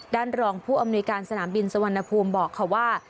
รองผู้อำนวยการสนามบินสุวรรณภูมิบอกค่ะว่า